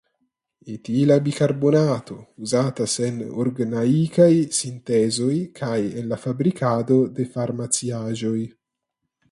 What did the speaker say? Etila bikarbonato uzatas en orgnaikaj sintezoj kaj en la fabrikado de farmaciaĵoj.